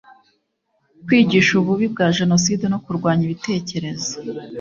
kwigisha ububi bwa jenoside no kurwanya ibitekerezo